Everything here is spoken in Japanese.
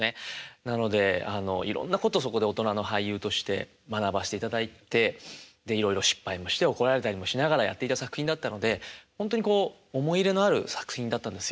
なのでいろんなことそこで大人の俳優として学ばせていただいていろいろ失敗もして怒られたりもしながらやっていた作品だったのでほんとにこう思い入れのある作品だったんですよ。